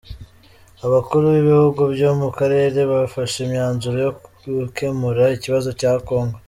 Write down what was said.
Abakuru b’ibihugu byo mu Karere bafashe imyanzuro yo gukemura ikibazo cya Kongo